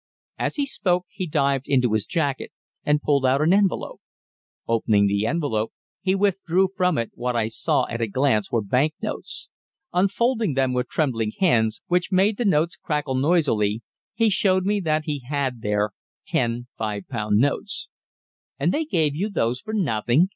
As he spoke he dived into his jacket, and pulled out an envelope. Opening the envelope, he withdrew from it what I saw at a glance were bank notes. Unfolding them with trembling hands, which made the notes crackle noisily, he showed me that he had there ten five pound notes. "And they gave you those for nothing?"